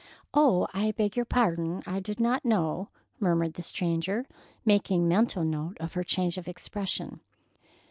"Oh, I beg your pardon! I did not know," murmured the stranger, making mental note of her change of expression.